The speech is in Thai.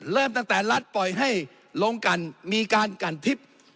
เริ่มตั้งแต่รัฐปล่อยให้ลงกันมีการกันทิพย์